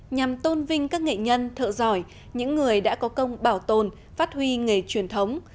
nhằm tôn vinh các nghệ nhân thợ giỏi những người đã có công bảo tồn phát huy nghề truyền thống